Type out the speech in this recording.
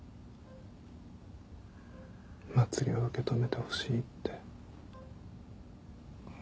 茉莉を受け止めてほしいって。